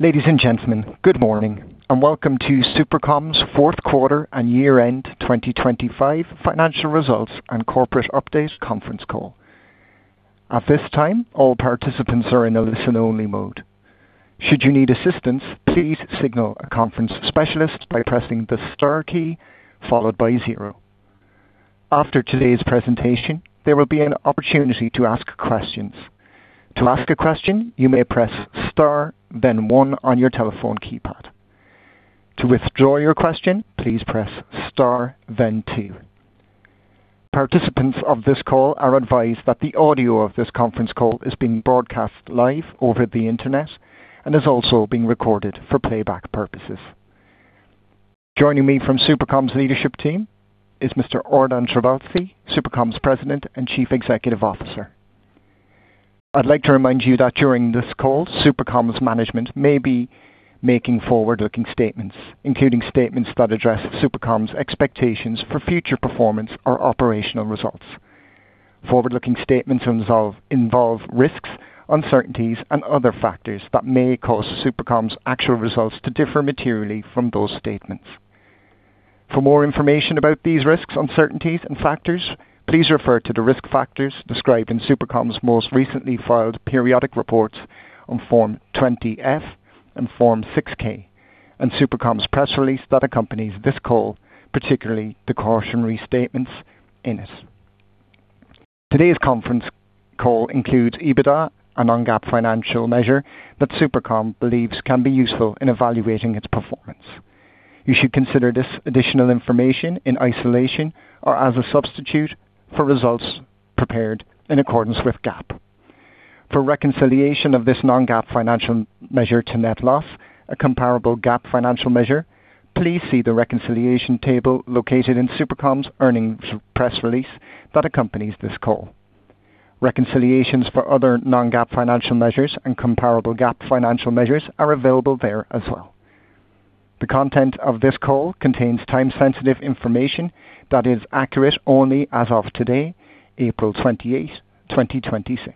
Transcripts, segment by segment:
Ladies and gentlemen, good morning, and welcome to SuperCom's Q4 and Year-End 2025 Financial Results and Corporate Update Conference Call. At this time all participants are in a listen only mode. Should you need assistance, please signal the conference specialist by pressing the star key followed by zero. After today's presentation there will be an opportunity to ask questions. To ask a question you may press star then one on your telephone keypad. To withdraw your question please press star then two. Participants of this call are advised that the audio of this conference call is being broadcast live over the internet and is also being recorded for playback purposes. Joining me from SuperCom's leadership team is Mr. Ordan Trabelsi, SuperCom's President and Chief Executive Officer. I'd like to remind you that during this call, SuperCom's management may be making forward-looking statements, including statements that address SuperCom's expectations for future performance or operational results. Forward-looking statements involve risks, uncertainties, and other factors that may cause SuperCom's actual results to differ materially from those statements. For more information about these risks, uncertainties, and factors, please refer to the risk factors described in SuperCom's most recently filed periodic reports on Form 20-F and Form 6-K and SuperCom's press release that accompanies this call, particularly the cautionary statements in it. Today's conference call includes EBITDA, a non-GAAP financial measure that SuperCom believes can be useful in evaluating its performance. You should consider this additional information in isolation or as a substitute for results prepared in accordance with GAAP. For reconciliation of this Non-GAAP financial measure to net loss, a comparable GAAP financial measure, please see the reconciliation table located in SuperCom's earnings press release that accompanies this call. Reconciliations for other Non-GAAP financial measures and comparable GAAP financial measures are available there as well. The content of this call contains time-sensitive information that is accurate only as of today, April 28, 2026.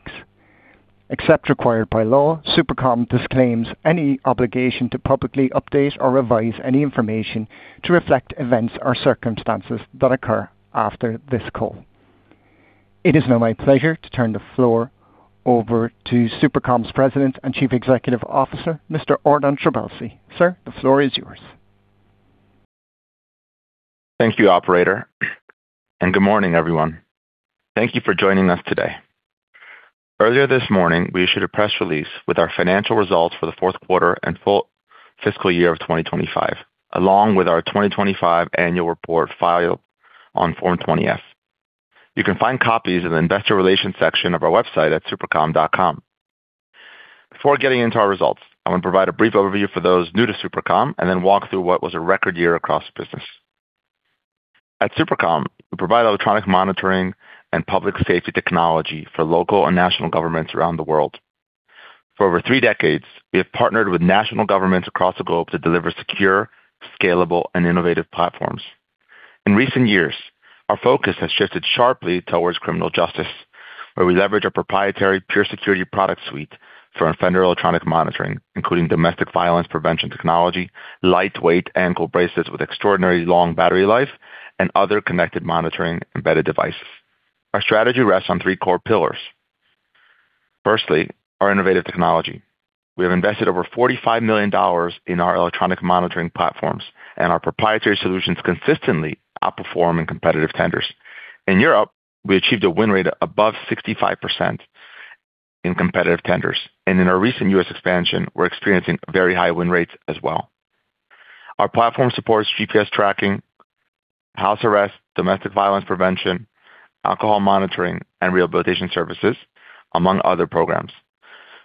Except required by law, SuperCom disclaims any obligation to publicly update or revise any information to reflect events or circumstances that occur after this call. It is now my pleasure to turn the floor over to SuperCom's President and Chief Executive Officer, Mr. Ordan Trabelsi. Sir, the floor is yours. Thank you, operator. Good morning, everyone. Thank you for joining us today. Earlier this morning, we issued a press release with our financial results for the Q4 and full fiscal year of 2025, along with our 2025 annual report filed on Form 20-F. You can find copies in the Investor Relations section of our website at supercom.com. Before getting into our results, I want to provide a brief overview for those new to SuperCom and then walk through what was a record year across the business. At SuperCom, we provide electronic monitoring and public safety technology for local and national governments around the world. For over three decades, we have partnered with national governments across the globe to deliver secure, scalable, and innovative platforms. In recent years, our focus has shifted sharply towards criminal justice, where we leverage our proprietary PureSecurity product suite for offender electronic monitoring, including domestic violence prevention technology, lightweight ankle bracelets with extraordinarily long battery life, and other connected monitoring embedded devices. Our strategy rests on three core pillars. Firstly, our innovative technology. We have invested over $45 million in our electronic monitoring platforms, and our proprietary solutions consistently outperform in competitive tenders. In Europe, we achieved a win rate above 65% in competitive tenders, and in our recent U.S. expansion, we're experiencing very high win rates as well. Our platform supports GPS tracking, house arrest, domestic violence prevention, alcohol monitoring, and rehabilitation services, among other programs.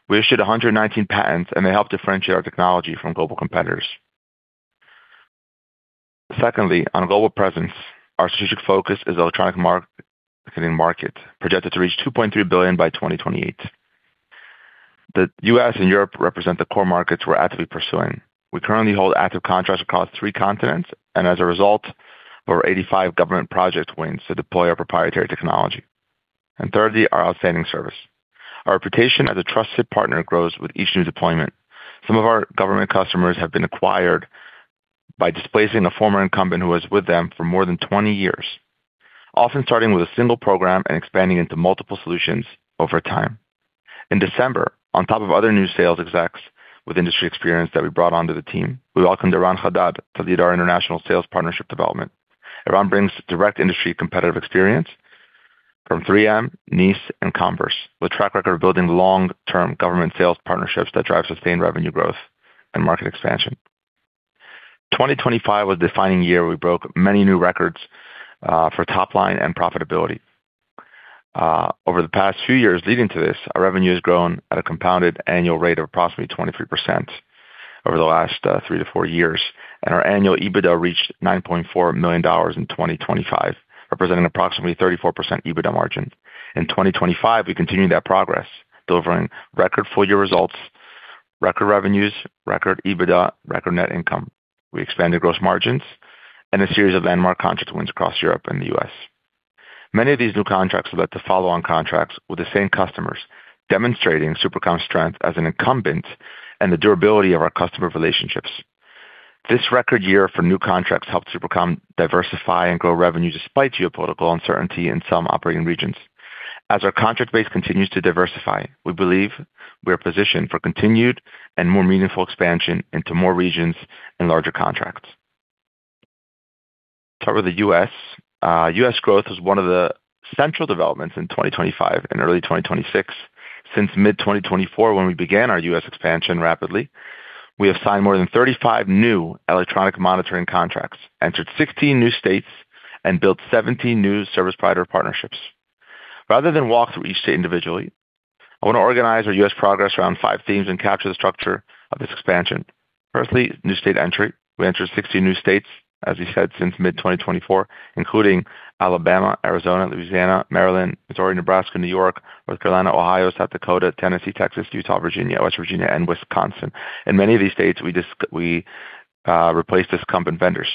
We issued 119 patents, and they help differentiate our technology from global competitors. Secondly, on global presence, our strategic focus is the electronic monitoring market, projected to reach $2.3 billion by 2028. The U.S. and Europe represent the core markets we're actively pursuing. We currently hold active contracts across three continents, as a result, over 85 government project wins to deploy our proprietary technology. Thirdly, our outstanding service. Our reputation as a trusted partner grows with each new deployment. Some of our government customers have been acquired by displacing a former incumbent who was with them for more than 20 years, often starting with a single program and expanding into multiple solutions over time. In December, on top of other new sales execs with industry experience that we brought onto the team, we welcomed Eran Hadad to lead our international sales partnership development. Eran brings direct industry competitive experience from 3M, NICE, and Converse with track record of building long-term government sales partnerships that drive sustained revenue growth and market expansion. 2025 was a defining year. We broke many new records for top line and profitability. Over the past few years leading to this, our revenue has grown at a compounded annual rate of approximately 23% over the last three to four years. Our annual EBITDA reached $9.4 million in 2025, representing approximately 34% EBITDA margin. In 2025, we continued that progress, delivering record full-year results, record revenues, record EBITDA, record net income. We expanded gross margins and a series of landmark contract wins across Europe and the U.S. Many of these new contracts have led to follow-on contracts with the same customers, demonstrating SuperCom's strength as an incumbent and the durability of our customer relationships. This record year for new contracts helped SuperCom diversify and grow revenue despite geopolitical uncertainty in some operating regions. As our contract base continues to diversify, we believe we are positioned for continued and more meaningful expansion into more regions and larger contracts. Start with the U.S., U.S. growth is one of the central developments in 2025 and early 2026. Since mid-2024, when we began our U.S. expansion rapidly, we have signed more than 35 new electronic monitoring contracts, entered 16 new states, and built 17 new service provider partnerships. Rather than walk through each state individually, I want to organize our U.S. progress around five themes and capture the structure of this expansion. Firstly, new state entry. We entered 16 new states, as we said, since mid-2024, including Alabama, Arizona, Louisiana, Maryland, Missouri, Nebraska, New York, North Carolina, Ohio, South Dakota, Tennessee, Texas, Utah, Virginia, West Virginia, and Wisconsin. In many of these states, we replaced incumbent vendors.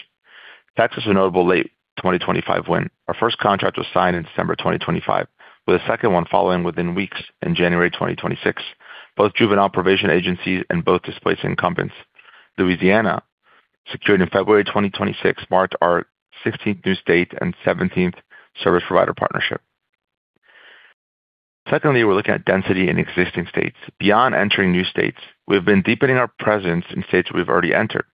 Texas was a notable late 2025 win. Our first contract was signed in December 2025, with a second one following within weeks in January 2026, both juvenile probation agencies and both displacing incumbents. Louisiana, secured in February 2026, marked our 16th new state and 17th service provider partnership. Secondly, we're looking at density in existing states. Beyond entering new states, we've been deepening our presence in states we've already entered.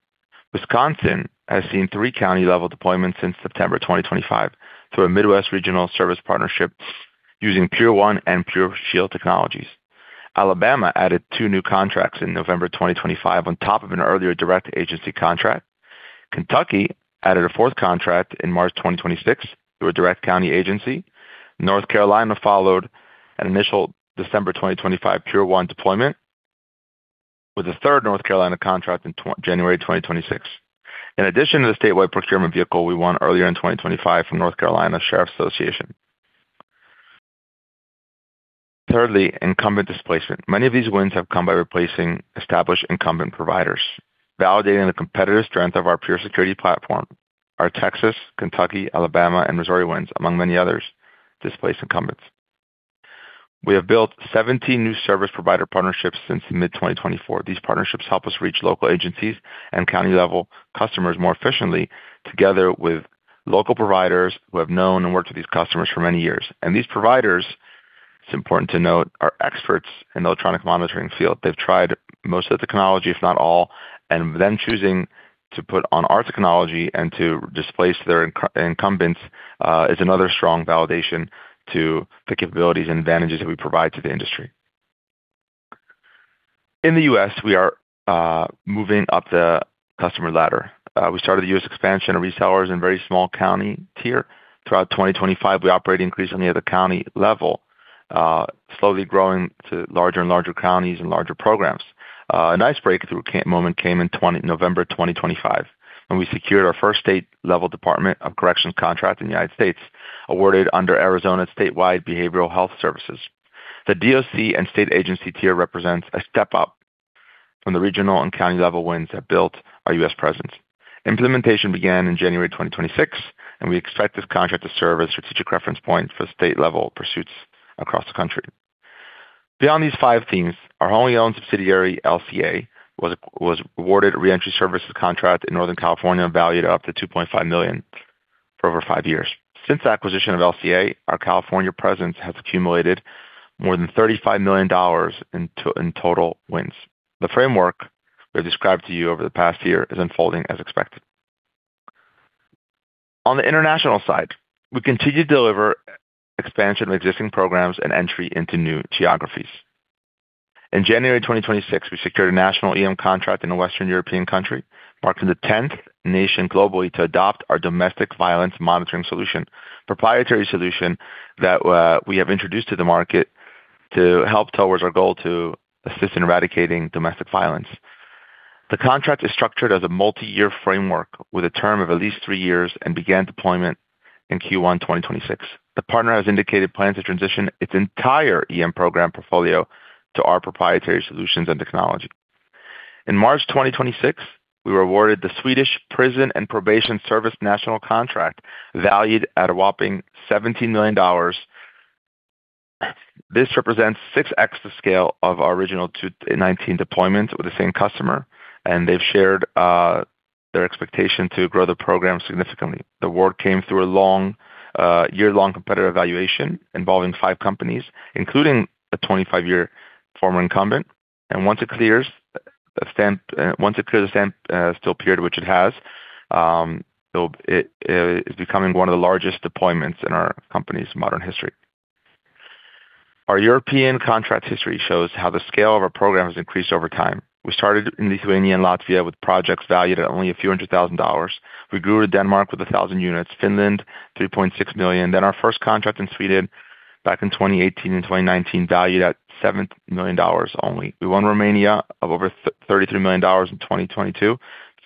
Wisconsin has seen three county-level deployments since September 2025 through a Midwest regional service partnership using PureOne and PureShield technologies. Alabama added two new contracts in November 2025 on top of an earlier direct agency contract. Kentucky added a fourth contract in March 2026 through a direct county agency. North Carolina followed an initial December 2025 PureOne deployment, with a third North Carolina contract in January 2026. In addition to the statewide procurement vehicle we won earlier in 2025 from North Carolina Sheriffs' Association. Thirdly, incumbent displacement. Many of these wins have come by replacing established incumbent providers, validating the competitive strength of our PureSecurity platform. Our Texas, Kentucky, Alabama, and Missouri wins, among many others, displaced incumbents. We have built 17 new service provider partnerships since mid-2024. These partnerships help us reach local agencies and county-level customers more efficiently together with local providers who have known and worked with these customers for many years. These providers, it's important to note, are experts in the electronic monitoring field. They've tried most of the technology, if not all, and them choosing to put on our technology and to displace their incumbents is another strong validation to the capabilities and advantages that we provide to the industry. In the U.S., we are moving up the customer ladder. We started the U.S. expansion of resellers in very small county tier. Throughout 2025, we operated increasingly at the county level, slowly growing to larger and larger counties and larger programs. A nice breakthrough moment came in November 2025, when we secured our first state-level Department of Corrections contract in the U.S., awarded under Arizona Statewide Behavioral Health Services. The DOC and state agency tier represents a step up from the regional and county-level wins that built our U.S. presence. Implementation began in January 2026. We expect this contract to serve as a strategic reference point for state-level pursuits across the country. Beyond these five themes, our wholly-owned subsidiary, LCA, was awarded a re-entry services contract in Northern California valued up to $2.5 million for over five years. Since the acquisition of LCA, our California presence has accumulated more than $35 million in total wins. The framework we have described to you over the past year is unfolding as expected. On the international side, we continue to deliver expansion of existing programs and entry into new geographies. In January 2026, we secured a national EM contract in a Western European country, marking the 10th nation globally to adopt our domestic violence monitoring solution, proprietary solution that we have introduced to the market to help towards our goal to assist in eradicating domestic violence. The contract is structured as a multi-year framework with a term of at least three years and began deployment in Q1 2026. The partner has indicated plans to transition its entire EM program portfolio to our proprietary solutions and technology. In March 2026, we were awarded the Swedish Prison and Probation Service National Contract, valued at a whopping $17 million. This represents 6x the scale of our original 2019 deployment with the same customer, and they've shared their expectation to grow the program significantly. The award came through a long, year-long competitive evaluation involving five companies, including a 25-year former incumbent. Once it clears the standstill period, which it has, it is becoming one of the largest deployments in our company's modern history. Our European contract history shows how the scale of our program has increased over time. We started in Lithuania and Latvia with projects valued at only a few hundred thousand dollars. We grew to Denmark with 1,000 units, Finland, $3.6 million. Our first contract in Sweden back in 2018 and 2019 valued at $7 million only. We won Romania of over $33 million in 2022,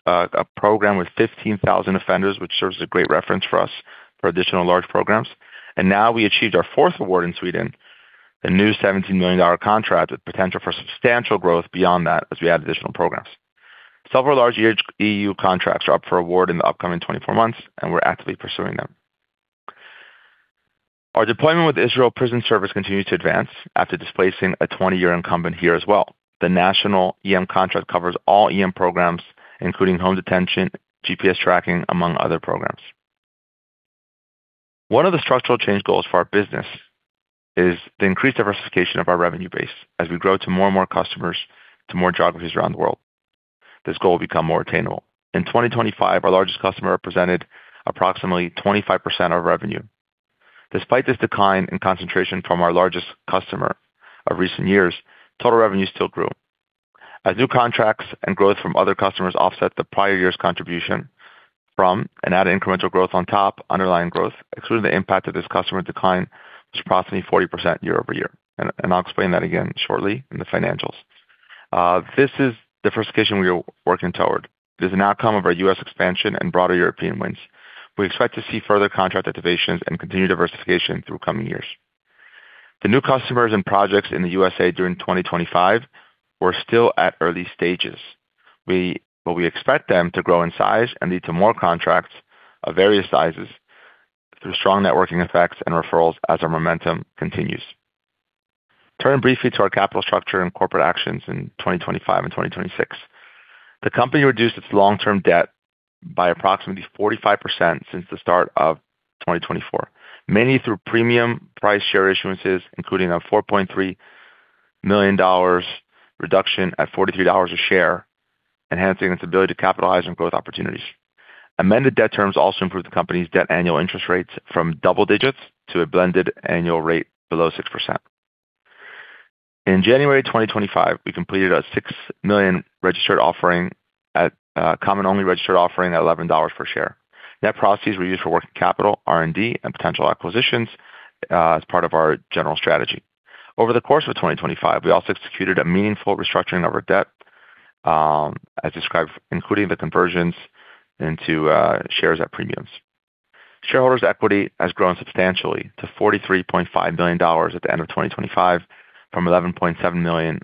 a program with 15,000 offenders, which serves as a great reference for us for additional large programs. Now we achieved our fourth award in Sweden, a new $17 million contract with potential for substantial growth beyond that as we add additional programs. Several large EU contracts are up for award in the upcoming 24 months, we're actively pursuing them. Our deployment with Israel Prison Service continues to advance after displacing a 20-year incumbent here as well. The national EM contract covers all EM programs, including home detention, GPS tracking, among other programs. One of the structural change goals for our business is the increased diversification of our revenue base. As we grow to more and more customers, to more geographies around the world, this goal will become more attainable. In 2025, our largest customer represented approximately 25% of revenue. Despite this decline in concentration from our largest customer of recent years, total revenue still grew. As new contracts and growth from other customers offset the prior year's contribution from and add incremental growth on top, underlying growth, excluding the impact of this customer decline, was approximately 40% year-over-year. I'll explain that again shortly in the financials. This is diversification we are working toward. This is an outcome of our U.S. expansion and broader European wins. We expect to see further contract activations and continued diversification through coming years. The new customers and projects in the USA during 2025 were still at early stages. We expect them to grow in size and lead to more contracts of various sizes through strong networking effects and referrals as our momentum continues. Turning briefly to our capital structure and corporate actions in 2025 and 2026. The company reduced its long-term debt by approximately 45% since the start of 2024, mainly through premium price share issuances, including a $4.3 million reduction at $43 a share, enhancing its ability to capitalize on growth opportunities. Amended debt terms also improved the company's debt annual interest rates from double digits to a blended annual rate below 6%. In January 2025, we completed a $6 million registered offering at common only registered offering at $11 per share. Net proceeds were used for working capital, R&D, and potential acquisitions, as part of our general strategy. Over the course of 2025, we also executed a meaningful restructuring of our debt, as described, including the conversions into shares at premiums. Shareholders' equity has grown substantially to $43.5 million at the end of 2025 from $11.7 million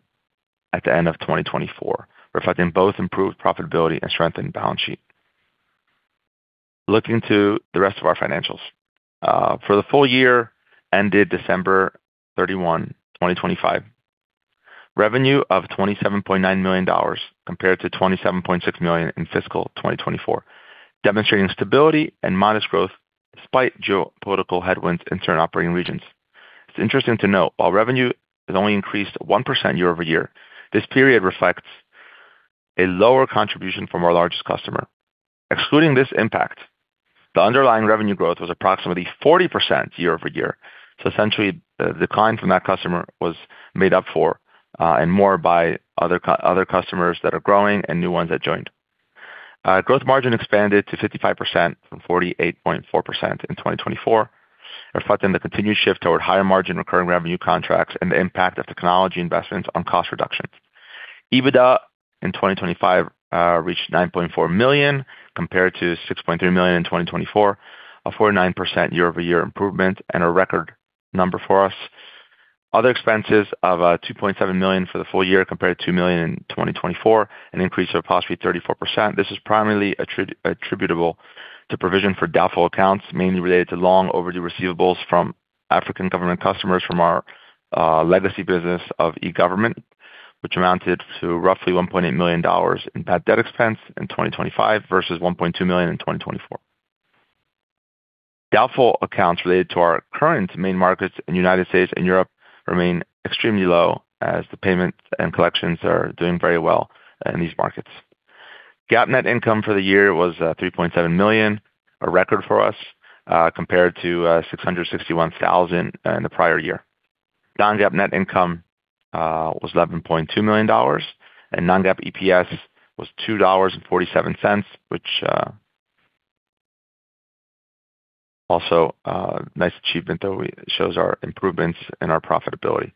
at the end of 2024, reflecting both improved profitability and strengthened balance sheet. Looking to the rest of our financials. For the full year ended December 31, 2025, revenue of $27.9 million compared to $27.6 million in fiscal 2024, demonstrating stability and modest growth despite geopolitical headwinds in certain operating regions. It's interesting to note, while revenue has only increased 1% year-over-year, this period reflects a lower contribution from our largest customer. Excluding this impact, the underlying revenue growth was approximately 40% year-over-year. Essentially, the decline from that customer was made up for, and more by other customers that are growing and new ones that joined. Gross margin expanded to 55% from 48.4% in 2024, reflecting the continued shift toward higher margin recurring revenue contracts and the impact of technology investments on cost reductions. EBITDA in 2025 reached $9.4 million compared to $6.3 million in 2024, a 49% year-over-year improvement and a record number for us. Other expenses of $2.7 million for the full year compared to $2 million in 2024, an increase of approximately 34%. This is primarily attributable to provision for doubtful accounts, mainly related to long overdue receivables from African government customers from our legacy business of e-government, which amounted to roughly $1.8 million in bad debt expense in 2025 versus $1.2 million in 2024. Doubtful accounts related to our current main markets in the United States and Europe remain extremely low as the payments and collections are doing very well in these markets. GAAP net income for the year was $3.7 million, a record for us, compared to $661,000 in the prior year. Non-GAAP net income was $11.2 million, and non-GAAP EPS was $2.47, which also a nice achievement that shows our improvements in our profitability.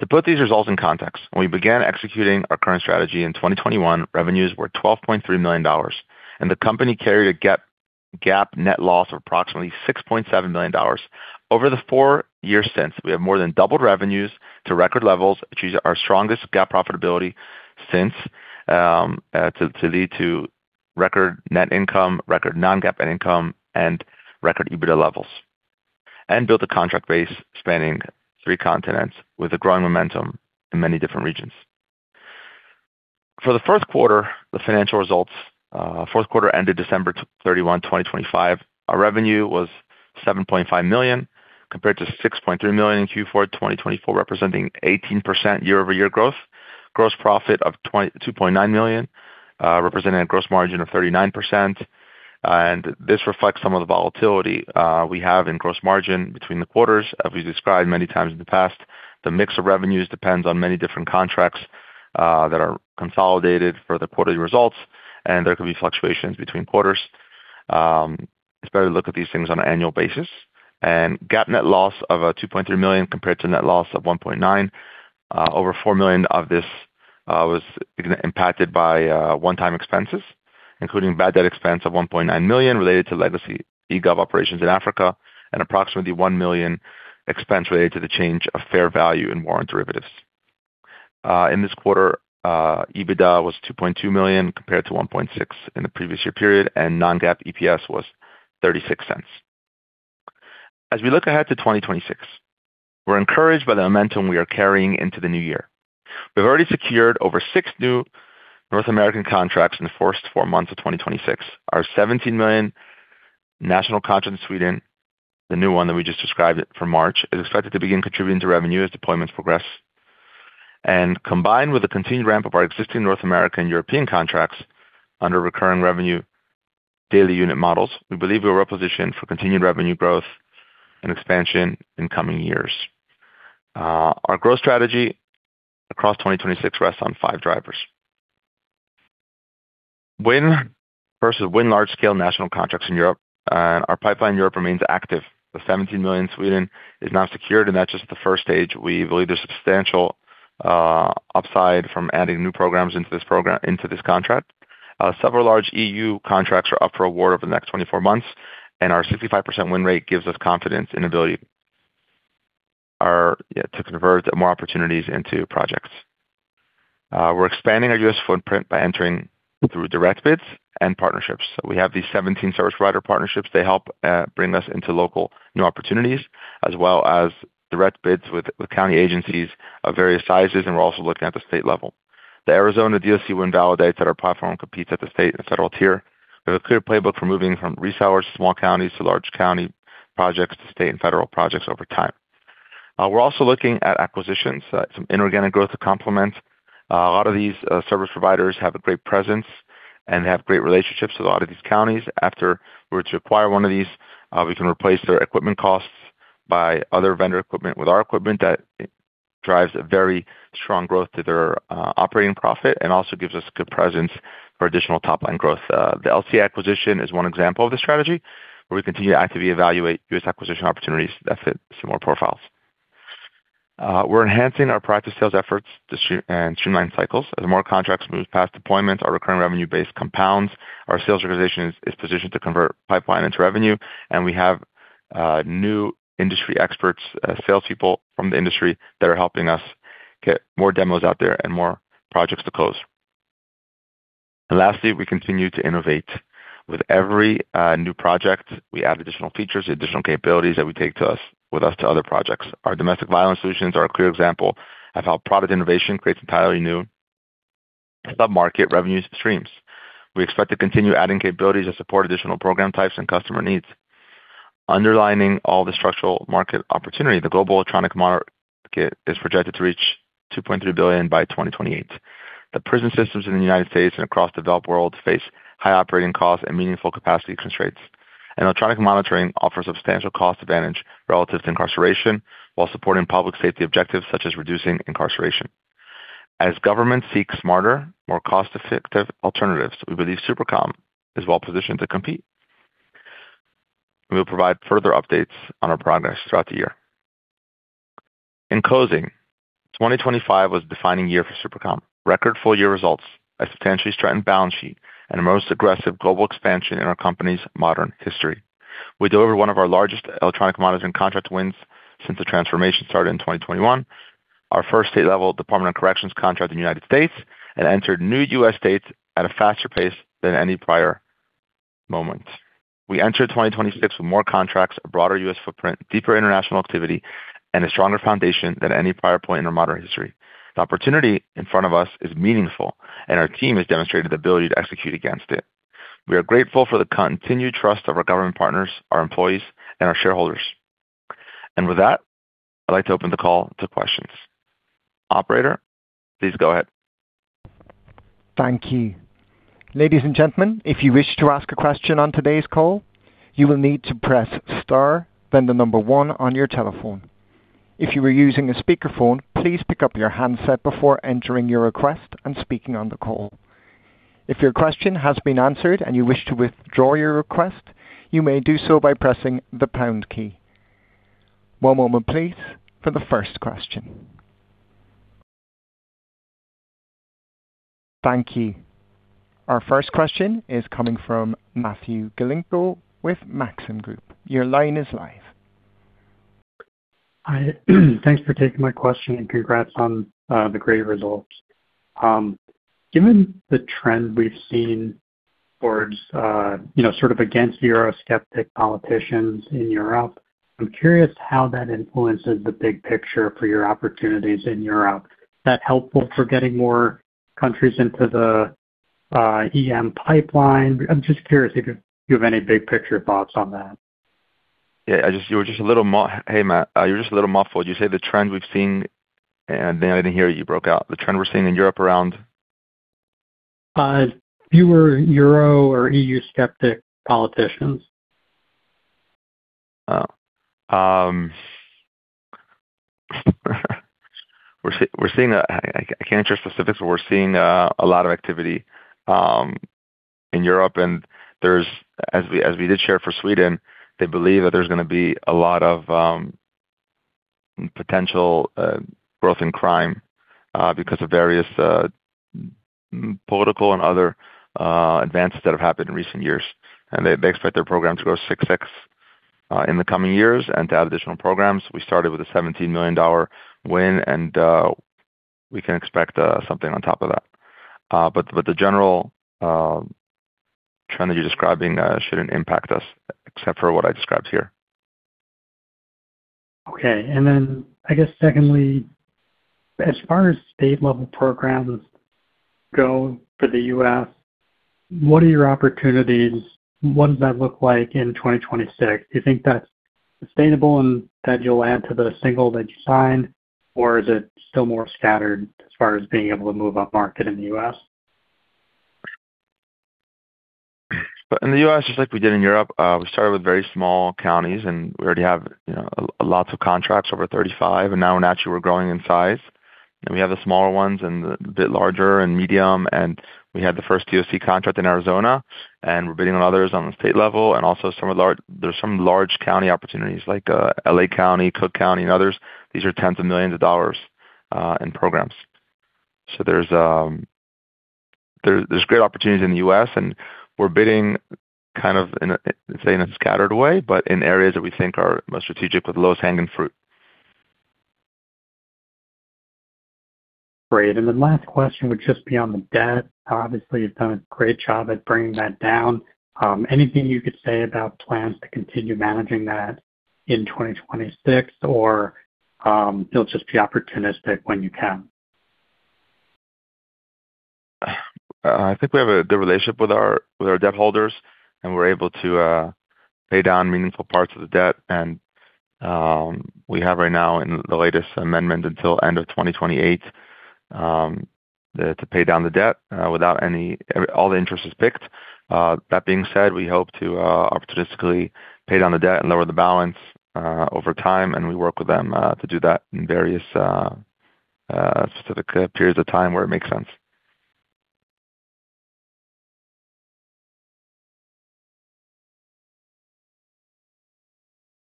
To put these results in context, when we began executing our current strategy in 2021, revenues were $12.3 million, and the company carried a GAAP net loss of approximately $6.7 million. Over the four years since, we have more than doubled revenues to record levels, achieving our strongest GAAP profitability since to lead to record net income, record Non-GAAP net income, and record EBITDA levels, and built a contract base spanning three continents with a growing momentum in many different regions. For the financial results, Q4 ended December 31, 2025. Our revenue was $7.5 million compared to $6.3 million in Q4 2024, representing 18% year-over-year growth. Gross profit of $2.9 million, representing a gross margin of 39%. This reflects some of the volatility we have in gross margin between the quarters. As we've described many times in the past, the mix of revenues depends on many different contracts that are consolidated for the quarterly results, and there could be fluctuations between quarters. It's better to look at these things on an annual basis. GAAP net loss of $2.3 million compared to net loss of $1.9 million. Over $4 million of this was impacted by one-time expenses, including bad debt expense of $1.9 million related to legacy e-Gov operations in Africa and approximately $1 million expense related to the change of fair value in warrant derivatives. In this quarter, EBITDA was $2.2 million compared to $1.6 million in the previous year period, and non-GAAP EPS was $0.36. As we look ahead to 2026, we're encouraged by the momentum we are carrying into the new year. We've already secured over six new North American contracts in the first four months of 2026. Our $17 million national contract in Sweden, the new one that we just described it from March, is expected to begin contributing to revenue as deployments progress. Combined with the continued ramp of our existing North American, European contracts under recurring revenue daily unit models, we believe we are well-positioned for continued revenue growth and expansion in coming years. Our growth strategy across 2026 rests on five drivers. Win versus win large-scale national contracts in Europe. Our pipeline in Europe remains active. The $17 million Sweden is now secured, and that's just the first stage. We believe there's substantial upside from adding new programs into this contract. Several large EU contracts are up for award over the next 24 months, and our 65% win rate gives us confidence and ability to convert more opportunities into projects. We're expanding our U.S. footprint by entering through direct bids and partnerships. We have these 17 service provider partnerships. They help bring us into local new opportunities as well as direct bids with county agencies of various sizes, and we're also looking at the state level. The Arizona DOC win validates that our platform competes at the state and federal tier. We have a clear playbook for moving from rural to small counties to large county projects to state and federal projects over time. We're also looking at acquisitions, some inorganic growth to complement. A lot of these service providers have a great presence and have great relationships with a lot of these counties. After we're to acquire one of these, we can replace their equipment costs by other vendor equipment with our equipment that drives a very strong growth to their operating profit and also gives us good presence for additional top-line growth. The LCA acquisition is one example of this strategy where we continue to actively evaluate U.S. acquisition opportunities that fit similar profiles. We're enhancing our practice sales efforts to streamline cycles. As more contracts move past deployments, our recurring revenue base compounds. Our sales organization is positioned to convert pipeline into revenue, and we have new industry experts, salespeople from the industry that are helping us get more demos out there and more projects to close. Lastly, we continue to innovate. With every new project, we add additional features, additional capabilities that we take with us to other projects. Our domestic violence solutions are a clear example of how product innovation creates entirely new sub-market revenue streams. We expect to continue adding capabilities that support additional program types and customer needs. Underlining all the structural market opportunity, the global electronic market is projected to reach $2.3 billion by 2028. The prison systems in the United States and across the developed world face high operating costs and meaningful capacity constraints. Electronic monitoring offers substantial cost advantage relative to incarceration, while supporting public safety objectives such as reducing incarceration. As governments seek smarter, more cost-effective alternatives, we believe SuperCom is well-positioned to compete. We will provide further updates on our progress throughout the year. In closing, 2025 was a defining year for SuperCom. Record full-year results, a substantially strengthened balance sheet, and the most aggressive global expansion in our company's modern history. We delivered one of our largest electronic monitoring contract wins since the transformation started in 2021, our first state-level Department of Corrections contract in the United States, and entered new U.S. states at a faster pace than any prior moment. We enter 2026 with more contracts, a broader U.S. footprint, deeper international activity, and a stronger foundation than any prior point in our modern history. The opportunity in front of us is meaningful, and our team has demonstrated the ability to execute against it. We are grateful for the continued trust of our government partners, our employees, and our shareholders. With that, I'd like to open the call to questions. Operator, please go ahead. Thank you. Ladies and gentlemen, if you wish to ask a question on today's call, you will need to press star then number one on your telephone. If you are using a speaker phone, please pick up your handset before entering your request and speaking on the call. If your question has been answered and you wish to withdraw your request, you may do so by pressing the pound key. One moment please for the first question. Thank you. Our first question is coming from Matthew Galinko with Maxim Group. Your line is live. Hi. Thanks for taking my question, and congrats on the great results. Given the trend we've seen towards, you know, sort of against Euro-skeptic politicians in Europe, I'm curious how that influences the big picture for your opportunities in Europe. Is that helpful for getting more countries into the EM pipeline? I'm just curious if you have any big-picture thoughts on that. Yeah, Hey, Matt, you were just a little muffled. You say the trends we've seen, and then I didn't hear you broke out. The trend we're seeing in Europe around? fewer Euro or Euro-skeptic politicians. I can't answer specifics, but we're seeing a lot of activity in Europe. As we did share for Sweden, they believe that there's going to be a lot of potential growth in crime because of various political and other advances that have happened in recent years. They expect their program to grow 6x in the coming years and to have additional programs. We started with a $17 million win, and we can expect something on top of that. The general trend that you're describing shouldn't impact us except for what I described here. Okay. I guess secondly, as far as state level programs go for the U.S., what are your opportunities? What does that look like in 2026? Do you think that's sustainable and that you'll add to the one that you signed, or is it still more scattered as far as being able to move up market in the U.S.? In the U.S., just like we did in Europe, we started with very small counties and we already have, you know, lots of contracts over 35, now naturally we're growing in size. We have the smaller ones and a bit larger and medium. We had the first DOC contract in Arizona, and we're bidding on others on the state level and also some of the large county opportunities like L.A. County, Cook County, and others. These are tens of millions of dollars in programs. There's great opportunities in the U.S. and we're bidding kind of in a, say, in a scattered way, but in areas that we think are most strategic with lowest hanging fruit. Great. The last question would just be on the debt. Obviously, you've done a great job at bringing that down. Anything you could say about plans to continue managing that in 2026 or, you'll just be opportunistic when you can? I think we have a good relationship with our debt holders, and we're able to pay down meaningful parts of the debt. We have right now in the latest amendment until end of 2028 to pay down the debt. All the interest is picked. That being said, we hope to opportunistically pay down the debt and lower the balance over time, and we work with them to do that in various specific periods of time where it makes sense.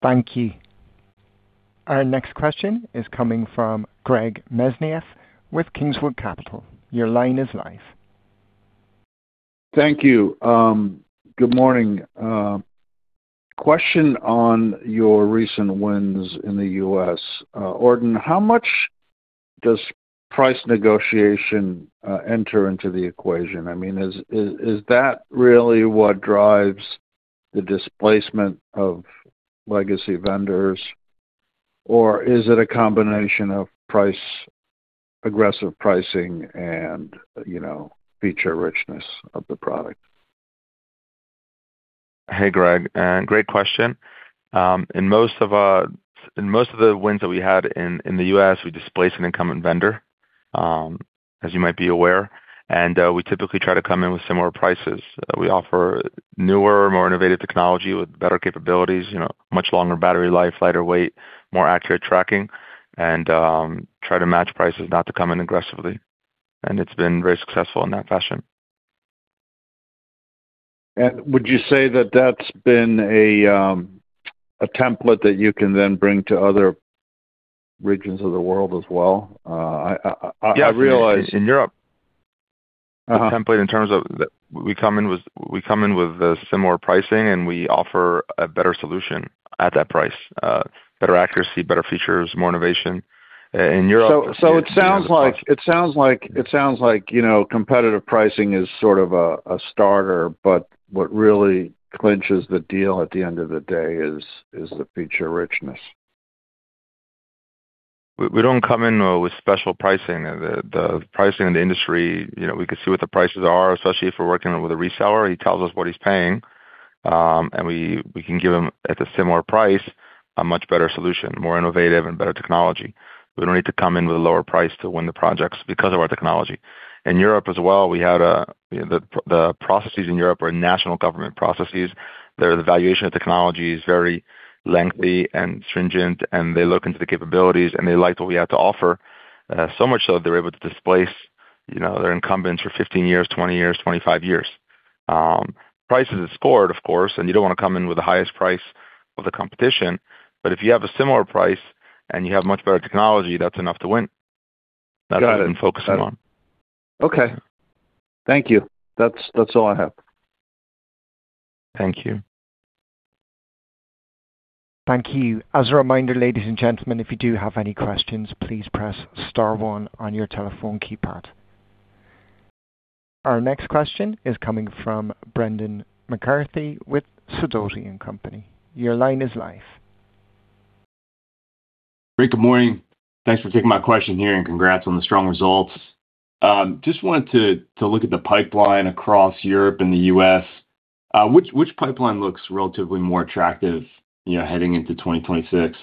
Thank you. Our next question is coming from Greg Mesniaeff with Kingswood Capital. Your line is live. Thank you. Good morning. Question on your recent wins in the U.S.. Ordan, how much does price negotiation enter into the equation? I mean, is that really what drives the displacement of legacy vendors? Or is it a combination of price, aggressive pricing and, you know, feature richness of the product? Hey, Greg, great question. In most of the wins that we had in the U.S., we displaced an incumbent vendor, as you might be aware. We typically try to come in with similar prices. We offer newer, more innovative technology with better capabilities, you know, much longer battery life, lighter weight, more accurate tracking, and try to match prices not to come in aggressively. It's been very successful in that fashion. Would you say that that's been a template that you can then bring to other regions of the world as well? Yeah, in Europe. Uh-huh. The template in terms of we come in with, similar pricing, and we offer a better solution at that price. Better accuracy, better features, more innovation. In Europe- It sounds like, you know, competitive pricing is sort of a starter, but what really clinches the deal at the end of the day is the feature richness. We don't come in with special pricing. The pricing in the industry, you know, we can see what the prices are, especially if we're working with a reseller. He tells us what he's paying. We can give him at a similar price, a much better solution, more innovative and better technology. We don't need to come in with a lower price to win the projects because of our technology. In Europe as well, the processes in Europe are national government processes. Their evaluation of technology is very lengthy and stringent, and they look into the capabilities, and they liked what we had to offer so much so that they're able to displace, you know, their incumbents for 15 years, 20 years, 25 years. Price is a score, of course, and you don't want to come in with the highest price of the competition. If you have a similar price and you have much better technology, that's enough to win. Got it. That's what we've been focusing on. Okay. Thank you. That's all I have. Thank you. Thank you. As a reminder, ladies and gentlemen, if you do have any questions, please press star one on your telephone keypad. Our next question is coming from Brendan McCarthy with Sidoti & Company. Your line is live. Great, good morning. Thanks for taking my question here, and congrats on the strong results. Just wanted to look at the pipeline across Europe and the U.S. Which pipeline looks relatively more attractive, you know, heading into 2026?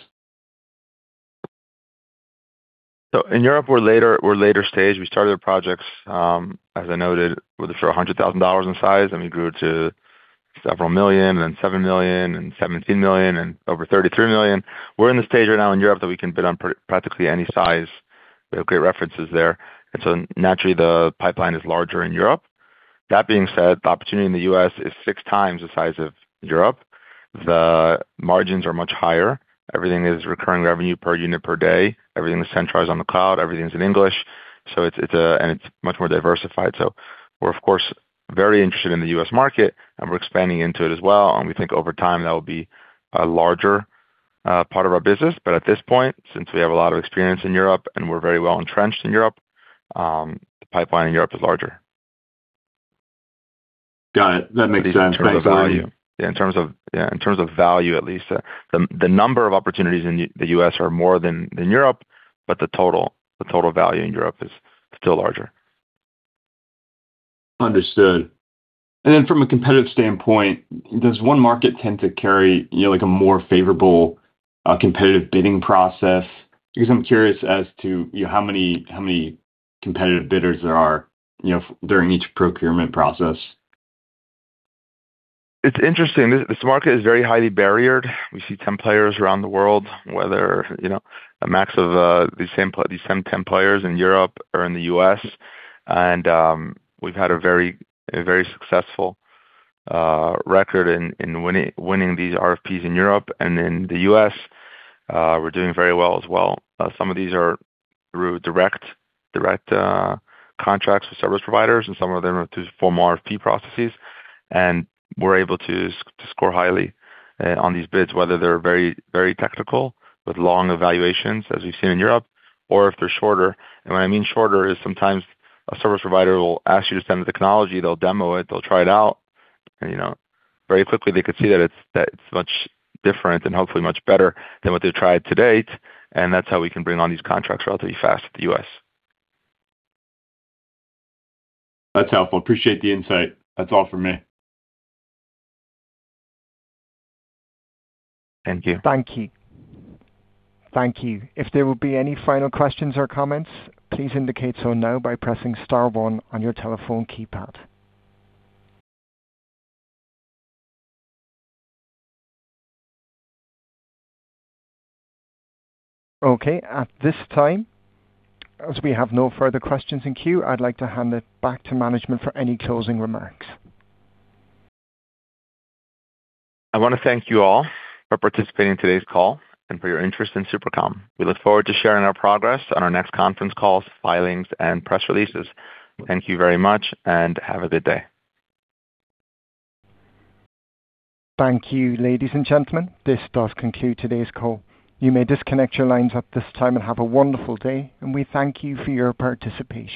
In Europe, we're later stage. We started our projects, as I noted, with a few hundred thousand dollars in size, and we grew it to several million and $7 million and $17 million and over $33 million. We're in the stage right now in Europe that we can bid on practically any size. We have great references there. Naturally, the pipeline is larger in Europe. That being said, the opportunity in the U.S. is 6x the size of Europe. The margins are much higher. Everything is recurring revenue per unit per day. Everything is centralized on the cloud. Everything's in English. It's much more diversified. We're of course, very interested in the U.S. market, and we're expanding into it as well, and we think over time that will be a larger part of our business. At this point, since we have a lot of experience in Europe and we're very well entrenched in Europe, the pipeline in Europe is larger. Got it. That makes sense. Thanks, Ordan. In terms of value. In terms of value, at least. The number of opportunities in the U.S. are more than Europe, but the total value in Europe is still larger. Understood. From a competitive standpoint, does one market tend to carry, you know, like a more favorable competitive bidding process? I'm curious as to, you know, how many competitive bidders there are, you know, during each procurement process. It's interesting. This market is very highly barriered. We see 10 players around the world, whether, you know, a max of these same 10 players in Europe or in the U.S. We've had a very successful record in winning these RFPs in Europe and in the U.S., we're doing very well as well. Some of these are through direct contracts with service providers, and some of them are through formal RFP processes. We're able to score highly on these bids, whether they're very technical with long evaluations, as we've seen in Europe, or if they're shorter. What I mean shorter is sometimes a service provider will ask you to send the technology, they'll demo it, they'll try it out, and you know, very quickly they could see that it's much different and hopefully much better than what they've tried to date. That's how we can bring on these contracts relatively fast in the U.S.. That's helpful. Appreciate the insight. That's all for me. Thank you. Thank you. Thank you. If there will be any final questions or comments, please indicate so now by pressing star one on your telephone keypad. Okay. At this time, as we have no further questions in queue, I'd like to hand it back to management for any closing remarks. I wanna thank you all for participating in today's call and for your interest in SuperCom. We look forward to sharing our progress on our next conference calls, filings, and press releases. Thank you very much and have a good day. Thank you, ladies and gentlemen. This does conclude today's call. You may disconnect your lines at this time and have a wonderful day, and we thank you for your participation.